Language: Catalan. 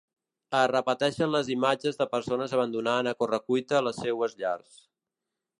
Es repeteixen les imatges de persones abandonant a correcuita les seues llars.